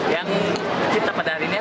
yang kita pada hari ini ya